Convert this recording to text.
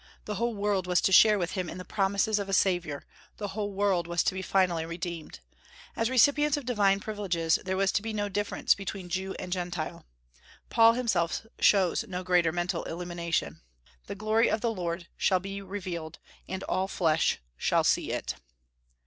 The whole world was to share with him in the promises of a Saviour; the whole world was to be finally redeemed. As recipients of divine privileges there was to be no difference between Jew and Gentile. Paul himself shows no greater mental illumination. "The glory of the Lord shall be revealed, and all flesh shall see it."